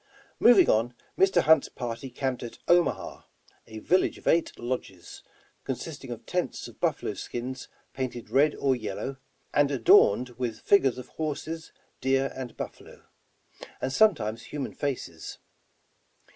Moving on, Mr. Hunt's party camped at Omaha, a village of eight lodges, consisting of tents of buffalo skins painted red or yellow, and adorned with figures of horses, deer and buffalo, — and sometimes human faces.